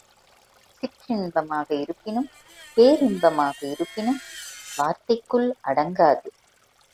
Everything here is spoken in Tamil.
சிற்றின்பமாக இருப்பினும் பேரின்பமாக இருப்பினும் வார்த்தைக்குள் அடங்காது.